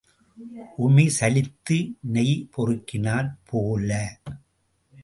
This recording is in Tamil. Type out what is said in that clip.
உமி சலித்து நொய் பொறுக்கினாற் போல.